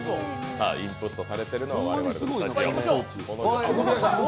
インプットされているのは我々のスタジオ。